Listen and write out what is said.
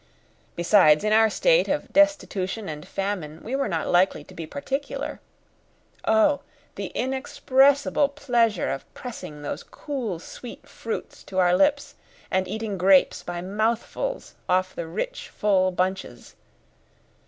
Besides, in our state of destitution and famine we were not likely to be particular. Oh, the inexpressible pleasure of pressing those cool, sweet fruits to our lips, and eating grapes by mouthfuls off the rich, full bunches!